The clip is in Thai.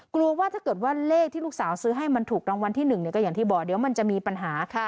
กลัวว่าถ้าเกิดว่าเลขที่ลูกสาวซื้อให้มันถูกรางวัลที่๑ก็อย่างที่บอกเดี๋ยวมันจะมีปัญหา